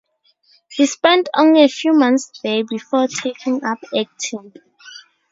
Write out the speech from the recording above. He spent only a few months there before taking-up acting.